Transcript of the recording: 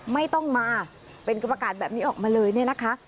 ไม่ต้องมาเป็นกรรมการแบบนี้ออกมาเลยเนี่ยนะคะ